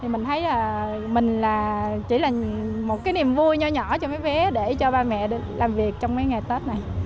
mình thấy là mình chỉ là một cái niềm vui nhỏ nhỏ cho mấy vé để cho ba mẹ làm việc trong mấy ngày tết này